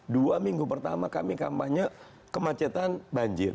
dua minggu pertama kami kampanye kemacetan banjir